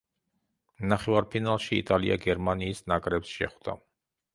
ნახევარფინალში იტალია გერმანიის ნაკრებს შეხვდა.